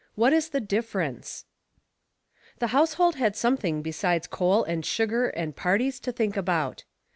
"WHAT IS THE DIFFEEENCB ?"|, HE household had something besides coal and sugar and parties to think about.